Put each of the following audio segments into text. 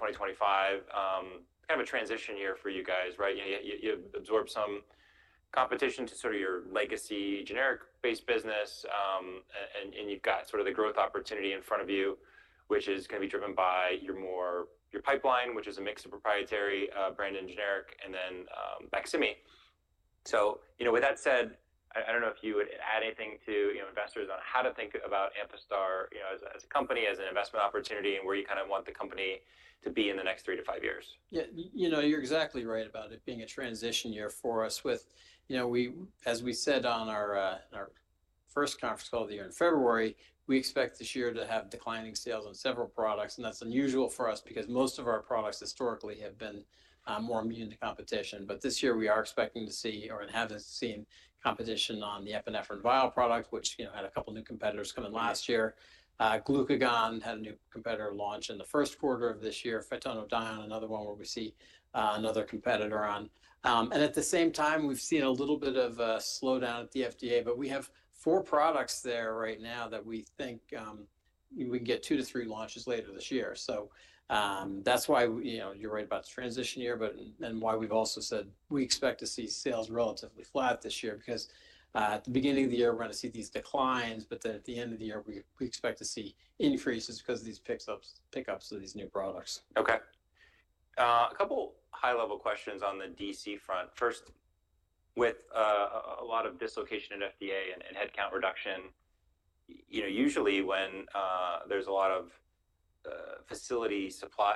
2025, kind of a transition year for you guys, right? You know, you absorbed some competition to sort of your legacy generic-based business, and you've got sort of the growth opportunity in front of you, which is gonna be driven by your more, your pipeline, which is a mix of proprietary, brand and generic, and then, Baqsimi. You know, with that said, I don't know if you would add anything to, you know, investors on how to think about Amphastar, you know, as a company, as an investment opportunity, and where you kind of want the company to be in the next three to five years. Yeah, you know, you're exactly right about it being a transition year for us with, you know, we, as we said on our first conference call of the year in February, we expect this year to have declining sales on several products, and that's unusual for us because most of our products historically have been more immune to competition. This year we are expecting to see, or have seen, competition on the epinephrine vial product, which, you know, had a couple new competitors come in last year. Glucagon had a new competitor launch in the first quarter of this year. Phytonadione, another one where we see another competitor on. At the same time, we've seen a little bit of a slowdown at the FDA, but we have four products there right now that we think we can get two to three launches later this year. That's why, you know, you're right about the transition year, and why we've also said we expect to see sales relatively flat this year because at the beginning of the year, we're gonna see these declines, but then at the end of the year, we expect to see increases 'cause of these pickups of these new products. Okay. A couple high-level questions on the DC front. First, with a lot of dislocation at FDA and headcount reduction, you know, usually when there's a lot of facility supply,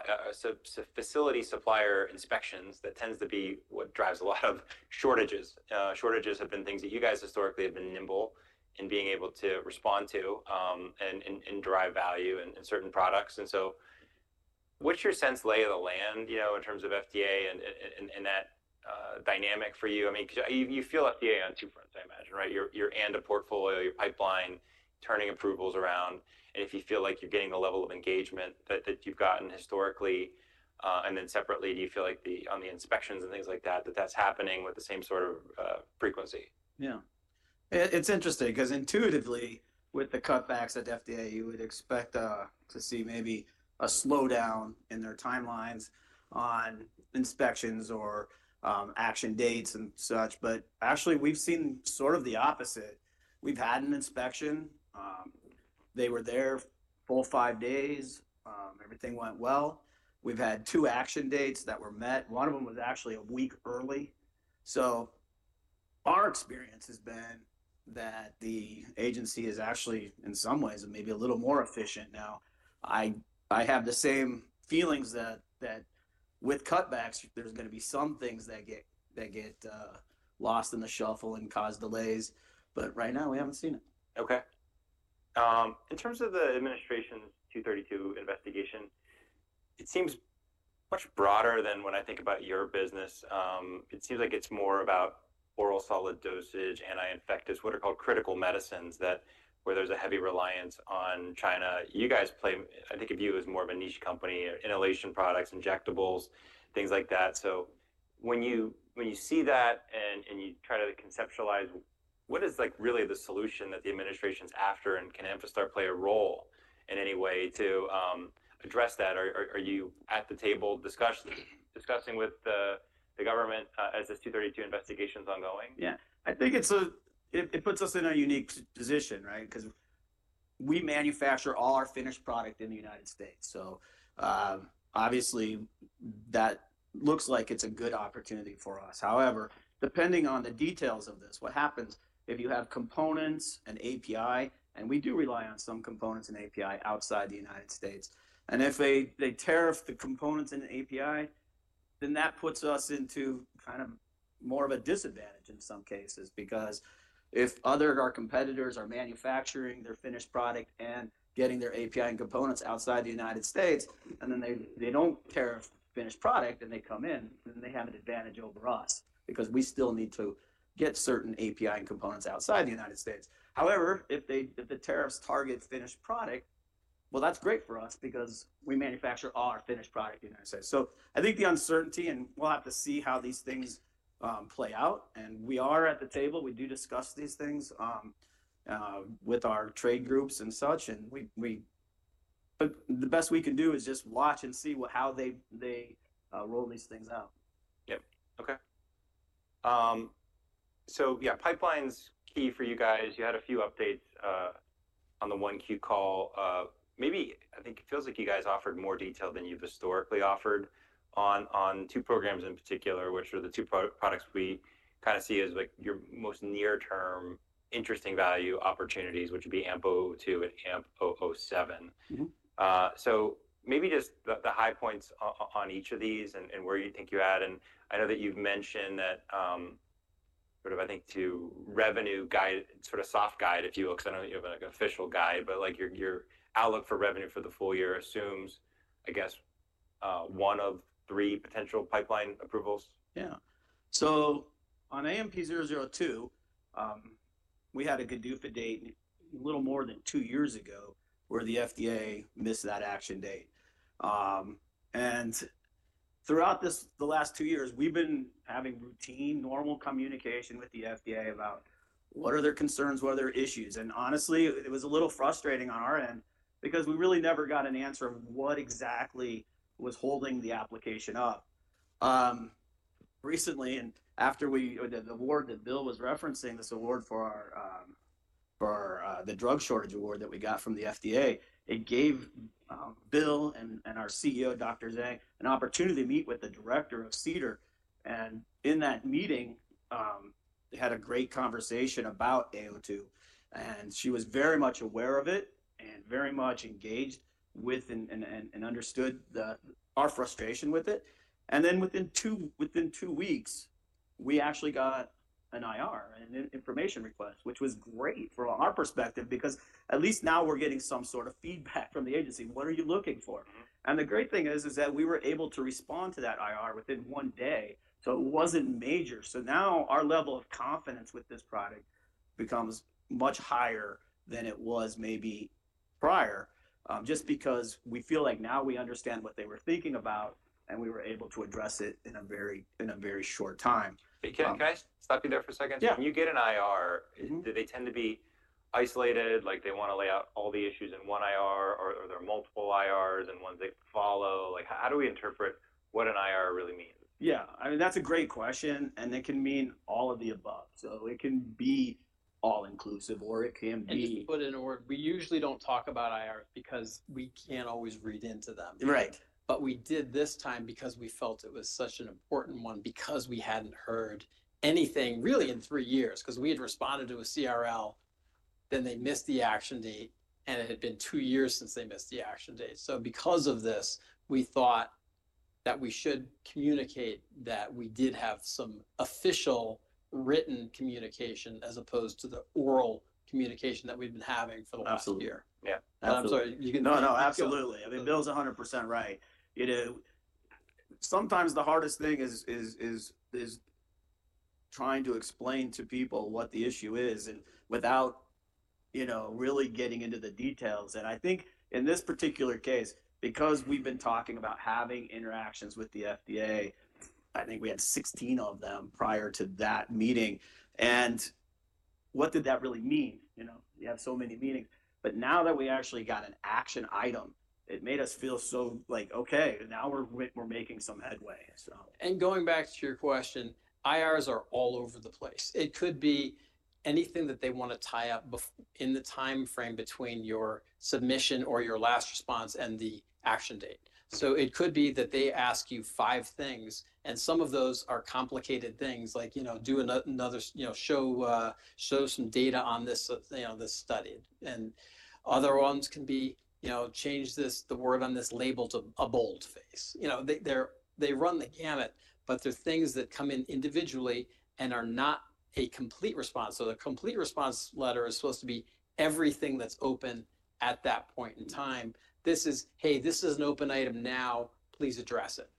facility supplier inspections, that tends to be what drives a lot of shortages. Shortages have been things that you guys historically have been nimble in being able to respond to and drive value in certain products. What is your sense, lay of the land, you know, in terms of FDA and that dynamic for you? I mean, 'cause you feel FDA on two fronts, I imagine, right? Your end of portfolio, your pipeline, turning approvals around, and if you feel like you're getting the level of engagement that you've gotten historically. And then separately, do you feel like the, on the inspections and things like that, that that's happening with the same sort of frequency? Yeah. It's interesting 'cause intuitively with the cutbacks at FDA, you would expect to see maybe a slowdown in their timelines on inspections or action dates and such. Actually, we've seen sort of the opposite. We've had an inspection, they were there full five days, everything went well. We've had two action dates that were met. One of them was actually a week early. Our experience has been that the agency is actually in some ways maybe a little more efficient now. I have the same feelings that with cutbacks, there's gonna be some things that get lost in the shuffle and cause delays. Right now we haven't seen it. Okay. In terms of the administration's 232 investigation, it seems much broader than when I think about your business. It seems like it's more about oral solid dosage, anti-infectious, what are called critical medicines that, where there's a heavy reliance on China. You guys play, I think of you as more of a niche company, inhalation products, injectables, things like that. When you see that and you try to conceptualize what is really the solution that the administration's after and can Amphastar play a role in any way to address that? Are you at the table discussing with the government, as this 232 investigation's ongoing? Yeah. I think it puts us in a unique position, right? 'Cause we manufacture all our finished product in the United States. Obviously that looks like it's a good opportunity for us. However, depending on the details of this, what happens if you have components and API, and we do rely on some components and API outside the United States. If they tariff the components and API, then that puts us into kind of more of a disadvantage in some cases because if other of our competitors are manufacturing their finished product and getting their API and components outside the United States, and they do not tariff finished product and they come in, then they have an advantage over us because we still need to get certain API and components outside the United States. However, if the tariffs target finished product, that's great for us because we manufacture all our finished product in the United States. I think the uncertainty, and we'll have to see how these things play out. We are at the table, we do discuss these things with our trade groups and such, and the best we can do is just watch and see how they roll these things out. Yep. Okay. So yeah, pipeline's key for you guys. You had a few updates on the one key call. Maybe I think it feels like you guys offered more detail than you've historically offered on two programs in particular, which are the two products we kind of see as like your most near-term interesting value opportunities, which would be AMP-002 and AMP-007. Mm-hmm. Maybe just the high points on each of these and where you think you add, and I know that you've mentioned that, sort of I think to revenue guide, sort of soft guide, if you will, 'cause I know you have like an official guide, but like your outlook for revenue for the full year assumes, I guess, one of three potential pipeline approvals. Yeah. On AMP-002, we had a GDUFA date a little more than two years ago where the FDA missed that action date. Throughout the last two years, we've been having routine, normal communication with the FDA about what are their concerns, what are their issues. Honestly, it was a little frustrating on our end because we really never got an answer of what exactly was holding the application up. Recently, after we, the award, Bill was referencing this award for our, for our, the drug shortage award that we got from the FDA, it gave Bill and our CEO, Dr. Zhang, an opportunity to meet with the director of CDER. In that meeting, they had a great conversation about AO2, and she was very much aware of it and very much engaged with and understood our frustration with it. Within two weeks, we actually got an IR, an information request, which was great from our perspective because at least now we're getting some sort of feedback from the agency. What are you looking for? The great thing is that we were able to respond to that IR within one day. It was not major. Now our level of confidence with this product becomes much higher than it was maybe prior, just because we feel like now we understand what they were thinking about and we were able to address it in a very short time. Hey, Ken, can I stop you there for a second? Yeah. When you get an IR, do they tend to be isolated? Like they wanna lay out all the issues in one IR, or are there multiple IRs and ones they follow? Like, how do we interpret what an IR really means? Yeah. I mean, that's a great question and it can mean all of the above. It can be all-inclusive or it can be. I just put in a word. We usually don't talk about IRs because we can't always read into them. Right. We did this time because we felt it was such an important one because we had not heard anything really in three years because we had responded to a CRL, then they missed the action date and it had been two years since they missed the action date. Because of this, we thought that we should communicate that we did have some official written communication as opposed to the oral communication that we have been having for the last year. Absolutely. Yeah. I'm sorry. You can. No, no, absolutely. I mean, Bill's a hundred percent right. Sometimes the hardest thing is trying to explain to people what the issue is without, you know, really getting into the details. I think in this particular case, because we've been talking about having interactions with the FDA, we had 16 of them prior to that meeting. What did that really mean? You know, you have so many meetings, but now that we actually got an action item, it made us feel like, okay, now we're making some headway. Going back to your question, IRs are all over the place. It could be anything that they wanna tie up before in the timeframe between your submission or your last response and the action date. It could be that they ask you five things and some of those are complicated things like, you know, do another, you know, show, show some data on this, you know, this study. Other ones can be, you know, change this, the word on this label to a bold face. You know, they run the gamut, but there are things that come in individually and are not a complete response. The complete response letter is supposed to be everything that's open at that point in time. This is, hey, this is an open item now, please address it.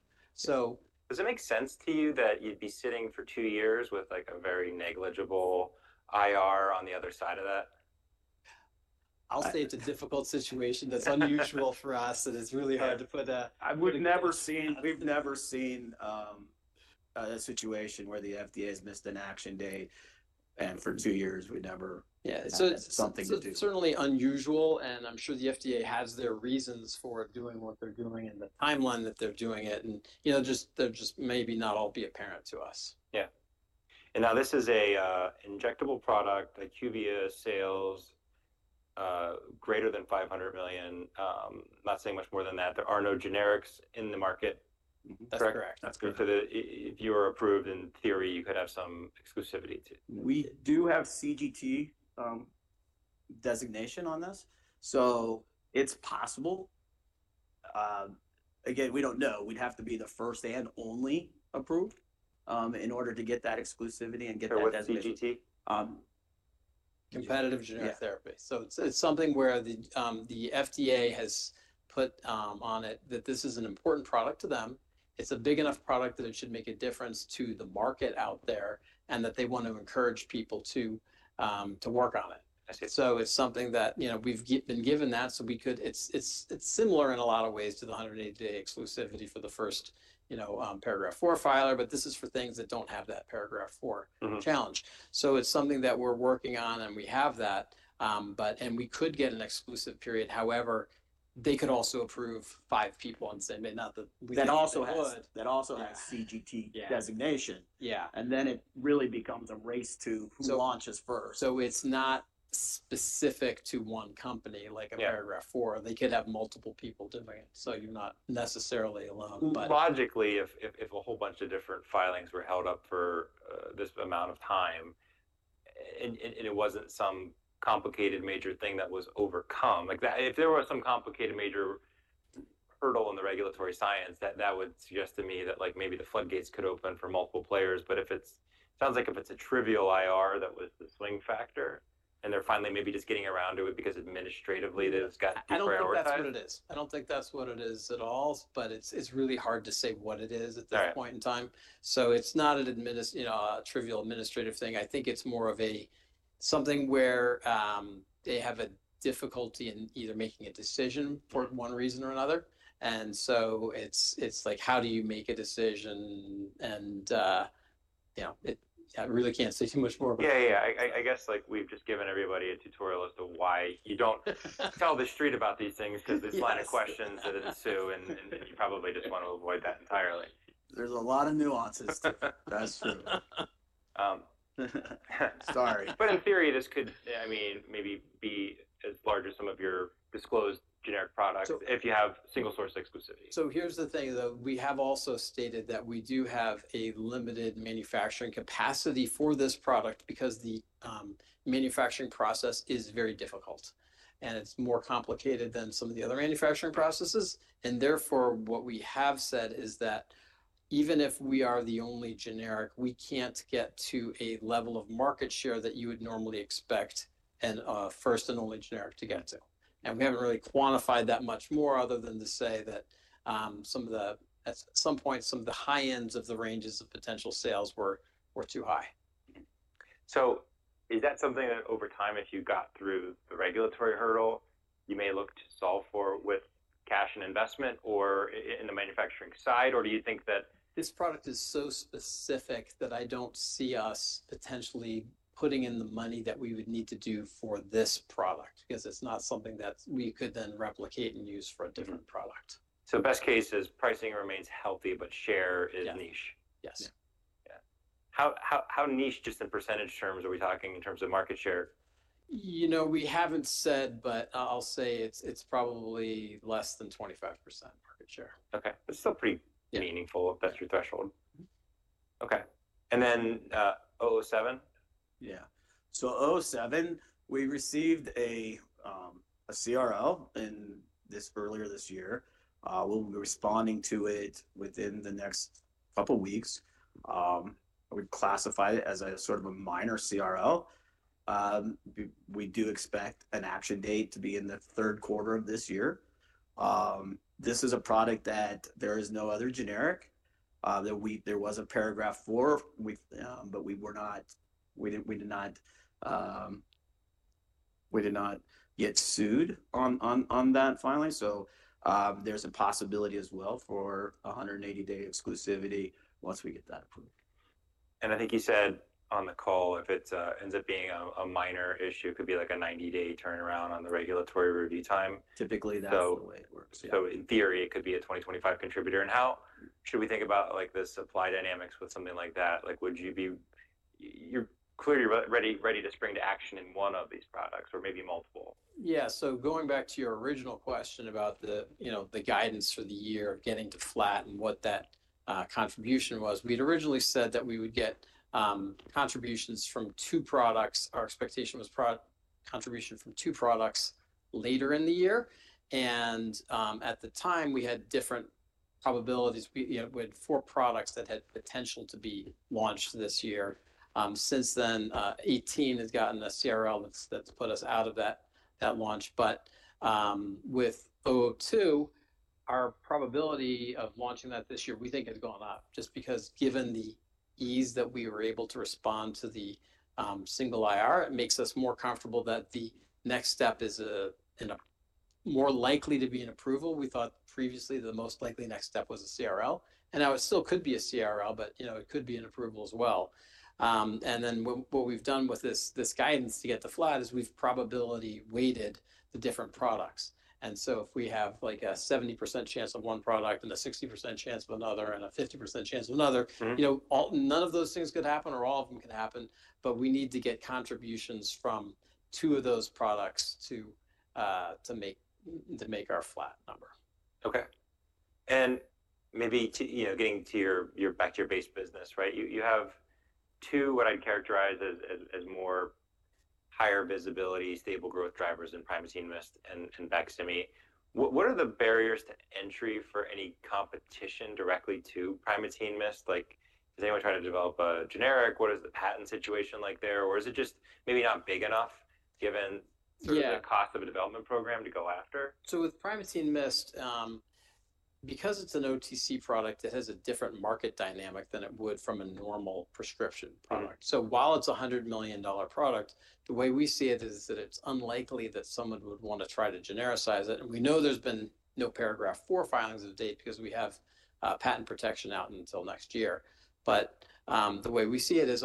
Does it make sense to you that you'd be sitting for two years with like a very negligible IR on the other side of that? I'll say it's a difficult situation. That's unusual for us. It is really hard to put a. We've never seen a situation where the FDA's missed an action date and for two years we never. Yeah. It is certainly unusual and I'm sure the FDA has their reasons for doing what they're doing and the timeline that they're doing it. You know, they just may not all be apparent to us. Yeah. Now this is an injectable product, a QVA sales, greater than $500 million. Not saying much more than that. There are no generics in the market. That's correct. That's good. If you were approved in theory, you could have some exclusivity too. We do have CGT designation on this. So it's possible. Again, we don't know. We'd have to be the first and only approved in order to get that exclusivity and get that designation. What's CGT? Competitive Generic Therapy. It's something where the FDA has put on it that this is an important product to them. It's a big enough product that it should make a difference to the market out there and that they want to encourage people to work on it. It's something that, you know, we've been given that so we could, it's similar in a lot of ways to the 180-day exclusivity for the first, you know, paragraph IV filer, but this is for things that do not have that Paragraph IV challenge. It's something that we're working on and we have that, but we could get an exclusive period. However, they could also approve five people and say, maybe not the. That also has. That also has CGT designation. Yeah. It really becomes a race to who. Launches first. It is not specific to one company like a Paragraph IV. They could have multiple people doing it. You are not necessarily alone, but. Logically, if a whole bunch of different filings were held up for this amount of time and it was not some complicated major thing that was overcome, like that, if there were some complicated major hurdle in the regulatory science, that would suggest to me that maybe the floodgates could open for multiple players. If it sounds like it is a trivial IR that was the swing factor and they are finally maybe just getting around to it because administratively they have got deep priorities. I don't think that's what it is. I don't think that's what it is at all, but it's really hard to say what it is at this point in time. It's not a trivial administrative thing. I think it's more of something where they have a difficulty in either making a decision for one reason or another. It's like, how do you make a decision? You know, I really can't say too much more about. Yeah. Yeah. I guess like we've just given everybody a tutorial as to why you don't tell the street about these things, 'cause this line of questions that ensue, and you probably just wanna avoid that entirely. There's a lot of nuances to it. That's true. Sorry. In theory, this could, I mean, maybe be as large as some of your disclosed generic products if you have single source exclusivity. Here's the thing though. We have also stated that we do have a limited manufacturing capacity for this product because the manufacturing process is very difficult and it's more complicated than some of the other manufacturing processes. Therefore, what we have said is that even if we are the only generic, we can't get to a level of market share that you would normally expect a first and only generic to get to. We haven't really quantified that much more other than to say that at some point, some of the high ends of the ranges of potential sales were too high. Is that something that over time, if you got through the regulatory hurdle, you may look to solve for with cash and investment or in the manufacturing side? Or do you think that. This product is so specific that I don't see us potentially putting in the money that we would need to do for this product 'cause it's not something that we could then replicate and use for a different product. Best case is pricing remains healthy, but share is niche. Yes. Yes. Yeah. How niche just in percentage terms are we talking in terms of market share? You know, we haven't said, but I'll say it's, it's probably less than 25% market share. Okay. That's still pretty meaningful if that's your threshold. Okay. And then, 007. Yeah. 007, we received a CRL earlier this year. We'll be responding to it within the next couple weeks. We've classified it as a sort of a minor CRL. We do expect an action date to be in the third quarter of this year. This is a product that there is no other generic, that we, there was a Paragraph IV, but we did not get sued on that filing. There's a possibility as well for 180-day exclusivity once we get that approved. I think you said on the call, if it ends up being a minor issue, it could be like a 90-day turnaround on the regulatory review time. Typically that's the way it works. Yeah. In theory, it could be a 2025 contributor. How should we think about like the supply dynamics with something like that? Like would you be, you're clearly ready, ready to spring to action in one of these products or maybe multiple? Yeah. Going back to your original question about the, you know, the guidance for the year of getting to flat and what that contribution was, we'd originally said that we would get contributions from two products. Our expectation was product contribution from two products later in the year. At the time we had different probabilities, you know, we had four products that had potential to be launched this year. Since then, 018 has gotten a CRL that's put us out of that launch. With 002, our probability of launching that this year, we think has gone up just because given the ease that we were able to respond to the single IR, it makes us more comfortable that the next step is more likely to be an approval. We thought previously the most likely next step was a CRL and now it still could be a CRL, but, you know, it could be an approval as well. What we've done with this guidance to get the flat is we've probability weighted the different products. If we have like a 70% chance of one product and a 60% chance of another and a 50% chance of another, you know, none of those things could happen or all of them could happen, but we need to get contributions from two of those products to make our flat number. Okay. Maybe to, you know, getting to your, your back to your base business, right? You have two, what I'd characterize as more higher visibility, stable growth drivers in Primatene Mist and Vexim. What are the barriers to entry for any competition directly to Primatene Mist? Like does anyone try to develop a generic? What is the patent situation like there? Or is it just maybe not big enough given sort of the cost of a development program to go after? With Primatene Mist, because it's an OTC product, it has a different market dynamic than it would from a normal prescription product. While it's a $100 million product, the way we see it is that it's unlikely that someone would want to try to genericize it. We know there's been no Paragraph IV filings to date because we have patent protection out until next year. The way we see it is,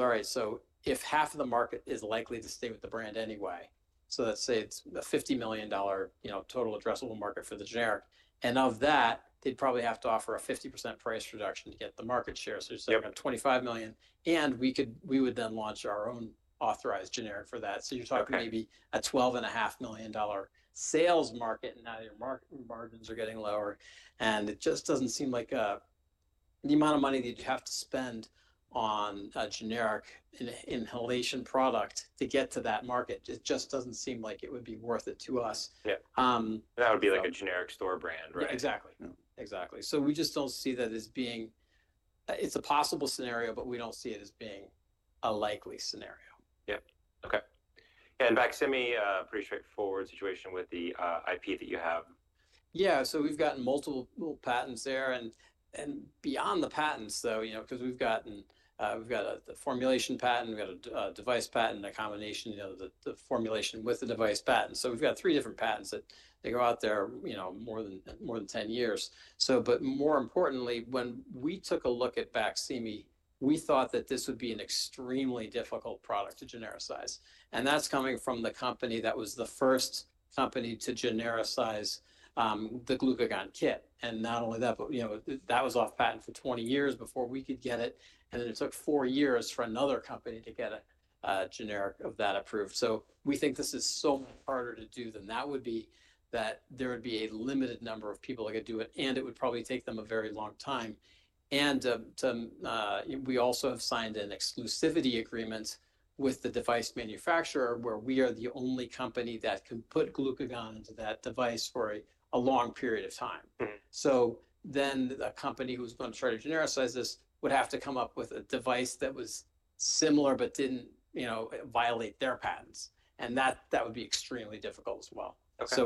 if half of the market is likely to stay with the brand anyway, let's say it's a $50 million total addressable market for the generic, and of that, they'd probably have to offer a 50% price reduction to get the market share. You're saying about $25 million, and we would then launch our own authorized generic for that. You're talking maybe a $12.5 million sales market and now your market margins are getting lower. It just doesn't seem like the amount of money that you have to spend on a generic inhalation product to get to that market, it just doesn't seem like it would be worth it to us. Yeah, that would be like a generic store brand, right? Yeah. Exactly. Exactly. We just don't see that as being, it's a possible scenario, but we don't see it as being a likely scenario. Yep. Okay. Vexim, pretty straightforward situation with the IP that you have. Yeah. So we've gotten multiple patents there and, and beyond the patents though, you know, 'cause we've gotten, we've got a formulation patent, we've got a device patent, a combination, you know, the formulation with the device patent. So we've got three different patents that go out there, you know, more than 10 years. More importantly, when we took a look at Vexim, we thought that this would be an extremely difficult product to genericize. And that's coming from the company that was the first company to genericize the glucagon kit. Not only that, but, you know, that was off patent for 20 years before we could get it. Then it took four years for another company to get a generic of that approved. We think this is so much harder to do than that would be, that there would be a limited number of people that could do it. It would probably take them a very long time. We also have signed an exclusivity agreement with the device manufacturer where we are the only company that can put glucagon into that device for a long period of time. A company who's gonna try to genericize this would have to come up with a device that was similar, but did not, you know, violate their patents. That would be extremely difficult as well.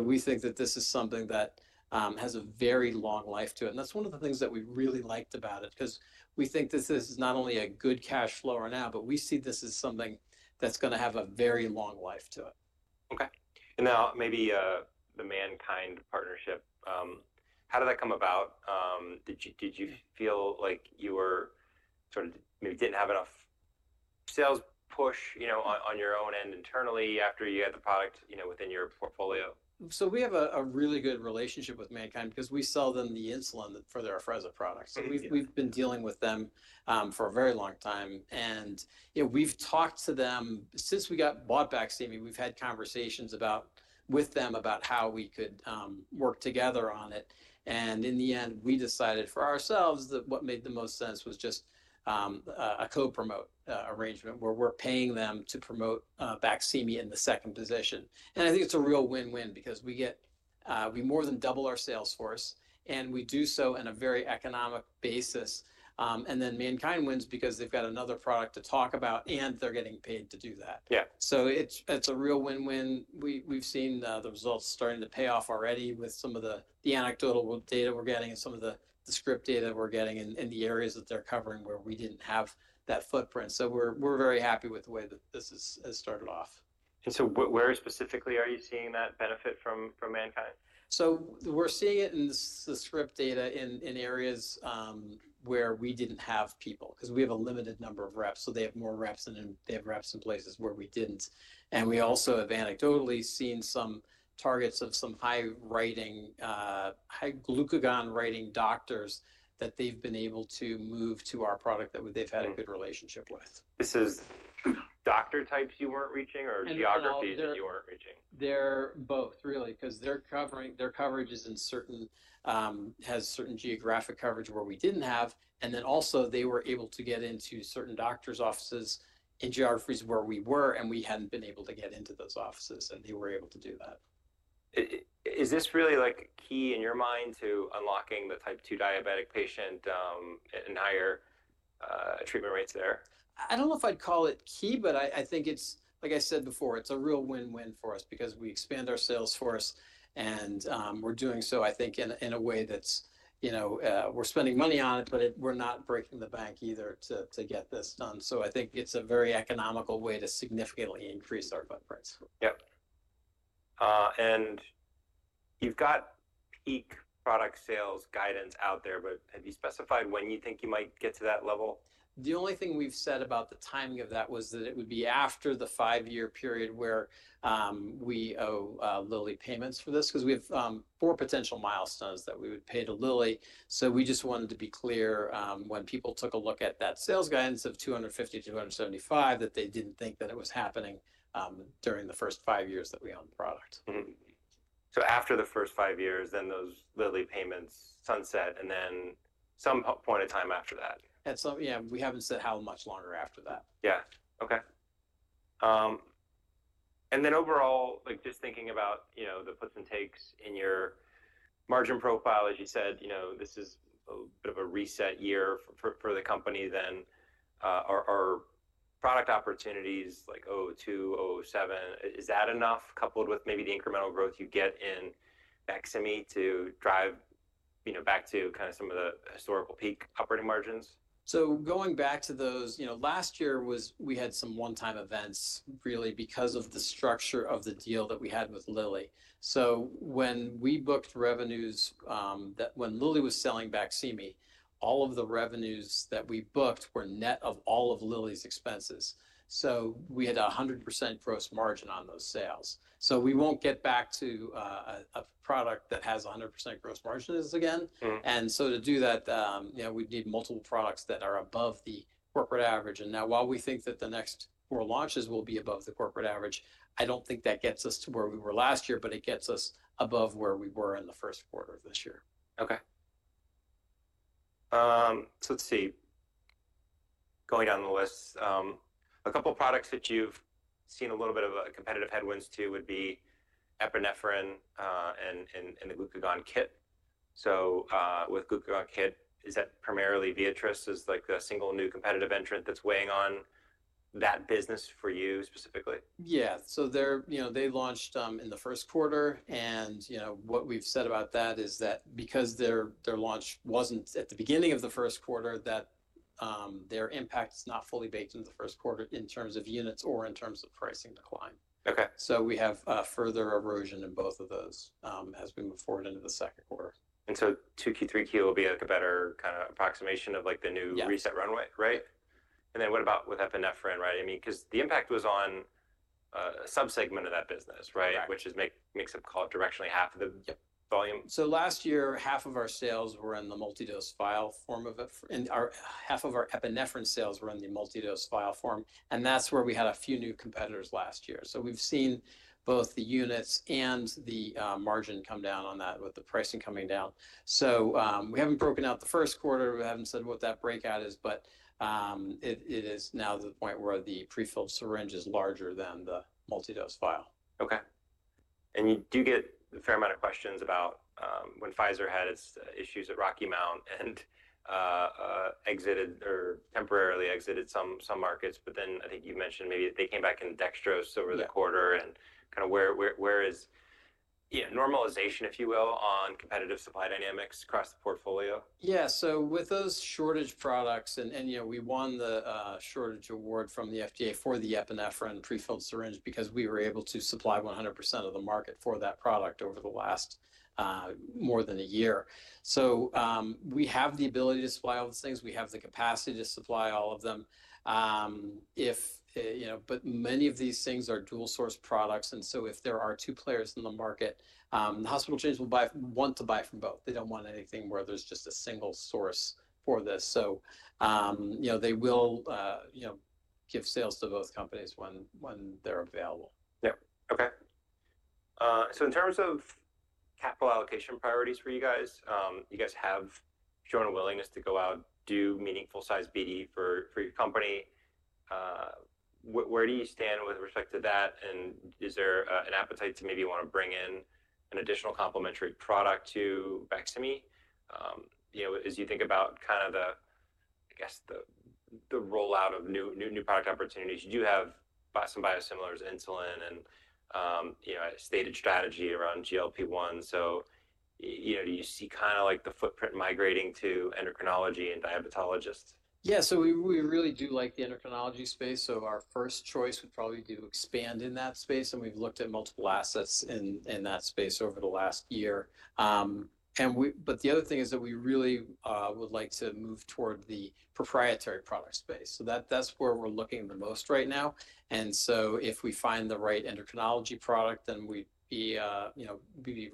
We think that this is something that has a very long life to it. That is one of the things that we really liked about it because we think this is not only a good cash flower now, but we see this as something that is going to have a very long life to it. Okay. Maybe the MannKind partnership, how did that come about? Did you, did you feel like you were sort of maybe didn't have enough sales push, you know, on your own end internally after you had the product, you know, within your portfolio? We have a really good relationship with MannKind 'cause we sell them the insulin for their Afrezza products. We've been dealing with them for a very long time. You know, we've talked to them since we got bought back, Steven, we've had conversations with them about how we could work together on it. In the end, we decided for ourselves that what made the most sense was just a co-promote arrangement where we're paying them to promote Vexim in the second position. I think it's a real win-win because we more than double our sales force and we do so on a very economic basis. Then MannKind wins because they've got another product to talk about and they're getting paid to do that. Yeah. It's a real win-win. We've seen the results starting to pay off already with some of the anecdotal data we're getting and some of the script data we're getting in the areas that they're covering where we didn't have that footprint. We're very happy with the way that this has started off. Where specifically are you seeing that benefit from MannKind? We're seeing it in the script data in areas where we didn't have people, 'cause we have a limited number of reps. They have more reps, and then they have reps in places where we didn't. We also have anecdotally seen some targets of some high-writing, high glucagon-writing doctors that they've been able to move to our product that they've had a good relationship with. Is this doctor types you weren't reaching or geographies that you weren't reaching? They're both really 'cause they're covering, their coverage is in certain, has certain geographic coverage where we didn't have. Also, they were able to get into certain doctors' offices in geographies where we were and we hadn't been able to get into those offices and they were able to do that. Is this really like key in your mind to unlocking the type 2 diabetic patient, and higher, treatment rates there? I don't know if I'd call it key, but I think it's, like I said before, it's a real win-win for us because we expand our sales force and we're doing so, I think in a way that's, you know, we're spending money on it, but we're not breaking the bank either to get this done. I think it's a very economical way to significantly increase our footprints. Yep. And you've got peak product sales guidance out there, but have you specified when you think you might get to that level? The only thing we've said about the timing of that was that it would be after the five-year period where, we owe, Lilly payments for this 'cause we have, four potential milestones that we would pay to Lilly. So we just wanted to be clear, when people took a look at that sales guidance of $250 million-$275 million that they didn't think that it was happening, during the first five years that we owned the product. After the first five years, then those Lilly payments sunset and then some point of time after that. At some, yeah, we haven't said how much longer after that. Yeah. Okay. And then overall, like just thinking about, you know, the puts and takes in your margin profile, as you said, you know, this is a bit of a reset year for the company, then, are product opportunities like 002, 007, is that enough coupled with maybe the incremental growth you get in Vexim to drive, you know, back to kind of some of the historical peak operating margins? Going back to those, you know, last year was, we had some one-time events really because of the structure of the deal that we had with Lilly. When we booked revenues, when Lilly was selling Vexim, all of the revenues that we booked were net of all of Lilly's expenses. We had a 100% gross margin on those sales. We will not get back to a product that has 100% gross margins again. To do that, you know, we would need multiple products that are above the corporate average. Now, while we think that the next four launches will be above the corporate average, I do not think that gets us to where we were last year, but it gets us above where we were in the first quarter of this year. Okay. Let's see. Going down the list, a couple products that you've seen a little bit of a competitive headwind to would be epinephrine and the glucagon kit. With glucagon kit, is that primarily Viatris as like a single new competitive entrant that's weighing on that business for you specifically? Yeah. So they're, you know, they launched in the first quarter. And, you know, what we've said about that is that because their launch wasn't at the beginning of the first quarter, their impact is not fully baked into the first quarter in terms of units or in terms of pricing decline. Okay. We have, further erosion in both of those, as we move forward into the second quarter. 2Q, 3Q will be like a better kind of approximation of like the new reset runway, right? And then what about with epinephrine, right? I mean, 'cause the impact was on, a subsegment of that business, right? Which is, makes up, call it directionally half of the volume. Last year, half of our sales were in the multidose vial form of it. And half of our epinephrine sales were in the multidose vial form. That's where we had a few new competitors last year. We've seen both the units and the margin come down on that with the pricing coming down. We haven't broken out the first quarter. We haven't said what that breakout is, but it is now to the point where the prefilled syringe is larger than the multidose vial. Okay. You do get a fair amount of questions about, when Pfizer had its issues at Rocky Mount and exited or temporarily exited some markets. I think you've mentioned maybe they came back in dextrose over the quarter and kind of where is, you know, normalization, if you will, on competitive supply dynamics across the portfolio? Yeah. So with those shortage products and, you know, we won the shortage award from the FDA for the epinephrine prefilled syringe because we were able to supply 100% of the market for that product over the last, more than a year. So, we have the ability to supply all the things. We have the capacity to supply all of them. If, you know, but many of these things are dual source products. And so if there are two players in the market, the hospital chains will buy, want to buy from both. They do not want anything where there is just a single source for this. So, you know, they will, you know, give sales to both companies when they are available. Yep. Okay. In terms of capital allocation priorities for you guys, you guys have shown a willingness to go out, do meaningful size BD for your company. Where do you stand with respect to that? And is there an appetite to maybe wanna bring in an additional complimentary product to Vexim? You know, as you think about kind of the, I guess, the rollout of new, new product opportunities, you do have some biosimilars, insulin, and, you know, a stated strategy around GLP-1. You know, do you see kind of like the footprint migrating to endocrinology and diabetologists? Yeah. We really do like the endocrinology space. Our first choice would probably be to expand in that space. We've looked at multiple assets in that space over the last year, and we really would like to move toward the proprietary product space. That's where we're looking the most right now. If we find the right endocrinology product, then we'd be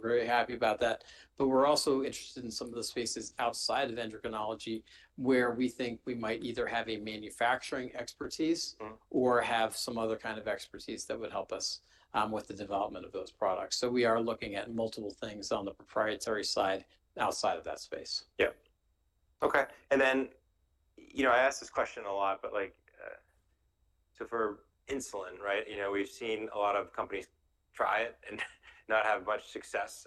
very happy about that. We're also interested in some of the spaces outside of endocrinology where we think we might either have a manufacturing expertise or have some other kind of expertise that would help us with the development of those products. We are looking at multiple things on the proprietary side outside of that space. Yep. Okay. You know, I ask this question a lot, but like, for insulin, right? You know, we've seen a lot of companies try it and not have much success.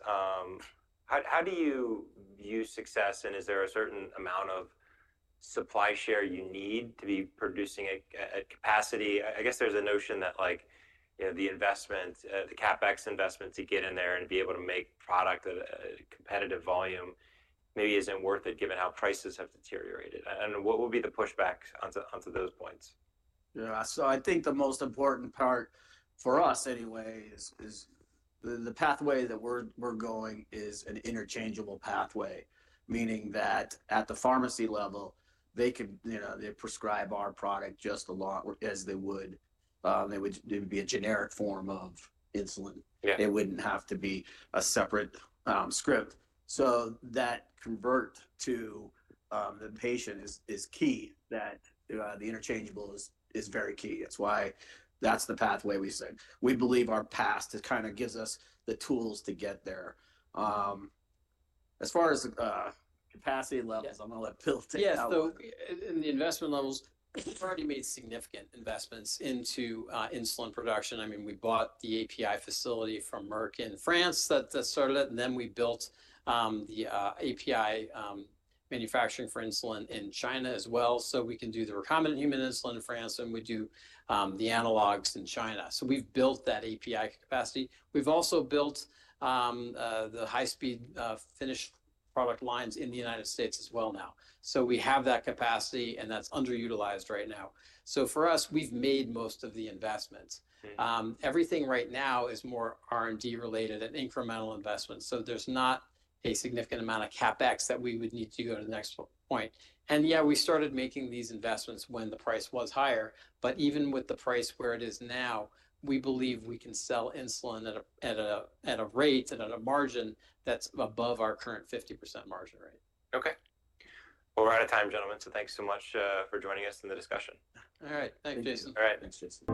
How do you view success? And is there a certain amount of supply share you need to be producing a capacity? I guess there's a notion that, you know, the investment, the CapEx investment to get in there and be able to make product at a competitive volume maybe isn't worth it given how prices have deteriorated. What would be the pushback onto those points? Yeah. I think the most important part for us anyway is, is the pathway that we're, we're going is an interchangeable pathway, meaning that at the pharmacy level, they could, you know, they prescribe our product just along as they would, it would be a generic form of insulin. Yeah. It wouldn't have to be a separate script. That convert to the patient is key, that the interchangeable is very key. That's why that's the pathway we say. We believe our past kind of gives us the tools to get there. As far as capacity levels, I'm gonna let Phil take that one. Yeah. In the investment levels, we've already made significant investments into insulin production. I mean, we bought the API facility from Merck in France that started it. I mean, we built the API manufacturing for insulin in China as well. We can do the recombinant human insulin in France and we do the analogs in China. We've built that API capacity. We've also built the high-speed finished product lines in the United States as well now. We have that capacity and that's underutilized right now. For us, we've made most of the investments. Everything right now is more R&D related and incremental investments. There's not a significant amount of CapEx that we would need to go to the next point. Yeah, we started making these investments when the price was higher. Even with the price where it is now, we believe we can sell insulin at a rate and at a margin that's above our current 50% margin rate. Okay. We're out of time, gentlemen. Thanks so much for joining us in the discussion. All right. Thanks, Jason. All right.